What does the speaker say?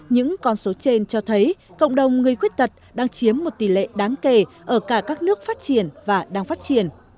những con số trên cho thấy cộng đồng người khuyết tật đang chiếm một tỷ lệ đáng kể ở cả các nước phát triển và đang phát triển